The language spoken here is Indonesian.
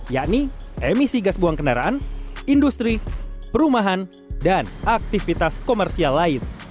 yakni emisi gas buang kendaraan industri perumahan dan aktivitas komersial lain